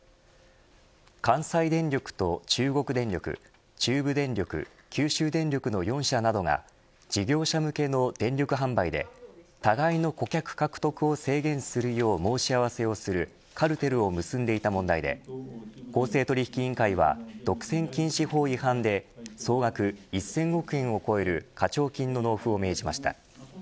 関西電力と中国電力中部電力、九州電力の４社などが事業者向けの電力販売で互いの顧客獲得を制限するよう申し合わせをするカルテルを結んでいた問題で公正取引委員会は独占禁止法違反で総額１０００億円を超える課徴金の納付を命じました。